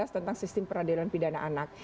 tentang sistem peradilan pidana anak